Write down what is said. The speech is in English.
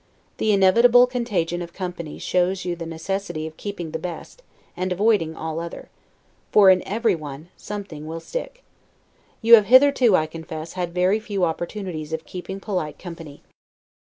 The inevitable contagion of company shows you the necessity of keeping the best, and avoiding all other; for in everyone, something will stick. You have hitherto, I confess, had very few opportunities of keeping polite company.